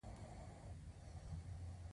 په دې ترتیب به هغه بې وسيلې خلک کار ونه مومي